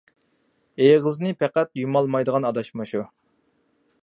ئېغىزىنى پەقەت يۇمالمايدىغان ئاداش مۇشۇ.